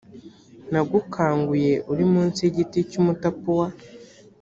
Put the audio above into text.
nagukanguye uri munsi y igiti cy umutapuwa